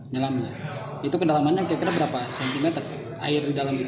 nyelamnya itu kedalamannya kira kira berapa cm air di dalam itu